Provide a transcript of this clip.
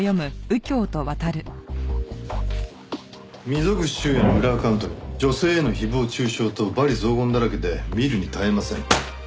溝口修也の裏アカウント女性への誹謗中傷と罵詈雑言だらけで見るに堪えません。